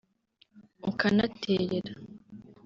ukanaterera